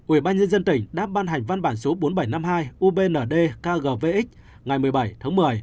ủy ban nhân dân tỉnh đã ban hành văn bản số bốn nghìn bảy trăm năm mươi hai ubnd kgvx ngày một mươi bảy tháng một mươi